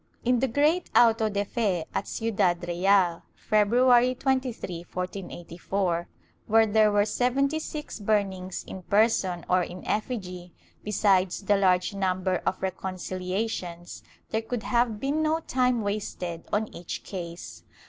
In the great auto de fe at Ciudad Real, February 23, 1484, where there were seventy six burnings in person or in effigy, besides the large number of reconciliations, there could have been no time wasted on each case.